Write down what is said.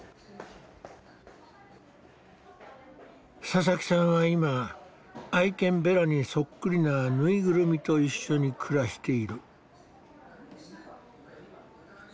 佐々木さんは今愛犬ベラにそっくりなぬいぐるみと一緒に暮らしている。